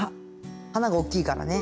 花がおっきいからね。